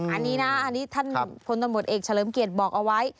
อันนี้นะอันนี้ท่านพลตำรวจเอกเฉลิมเกียรติบอกเอาไว้